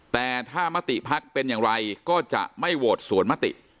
แต่ถ้ามติภักดิ์เป็นอย่างไรก็จะไม่โหวตสวนมติ